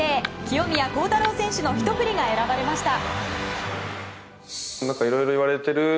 清宮幸太郎選手のひと振りが選ばれました。